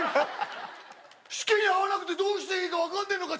指揮に合わなくてどうしていいかわかんねえのか？